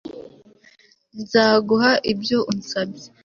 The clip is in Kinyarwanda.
nzaguha ibyo unsabye